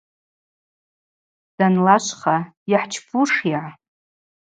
Данлашвха – Йхӏчпушйа?